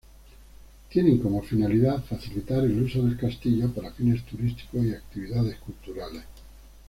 Tienen como finalidad facilitar el uso del castillo para fines turísticos y actividades culturales.